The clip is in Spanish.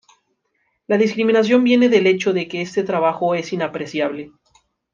La discriminación viene del hecho de que este trabajo es inapreciable.